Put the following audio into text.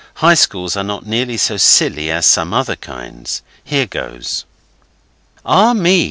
High schools are not nearly so silly as some other kinds. Here goes: '"Ah, me!"